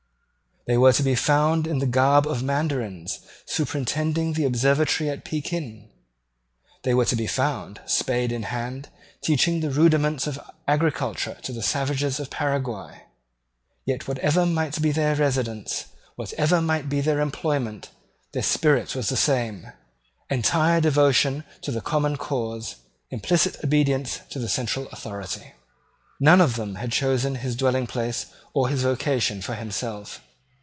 They were to be found in the garb of Mandarins, superintending the observatory at Pekin. They were to be found, spade in hand, teaching the rudiments of agriculture to the savages of Paraguay. Yet, whatever might be their residence, whatever might be their employment, their spirit was the same, entire devotion to the common cause, implicit obedience to the central authority. None of them had chosen his dwelling place or his vocation for himself.